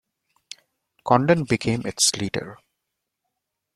Condon became its leader.